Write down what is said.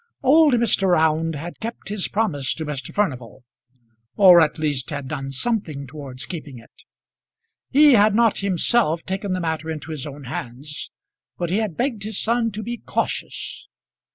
Old Mr. Round had kept his promise to Mr. Furnival; or, at least, had done something towards keeping it. He had not himself taken the matter into his own hands, but he had begged his son to be cautious.